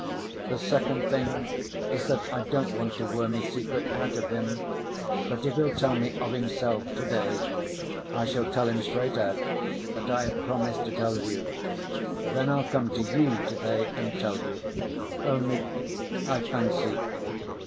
The second thing is that I don't want to worm his secret out of him, but if he'll tell me of himself to‐ day, I shall tell him straight out that I have promised to tell you. Then I'll come to you to‐day, and tell you. Only ... I fancy